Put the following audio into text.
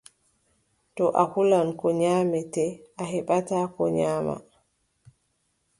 To a hulan ko nyaamete, a beɓataa ko nyaama.